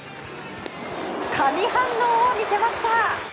神反応を見せました。